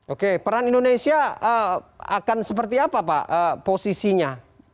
oke peran indonesia akan seperti apa pak posisinya